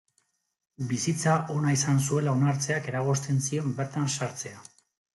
Bizitza ona izan zuela onartzeak eragozten zion bertan sartzea.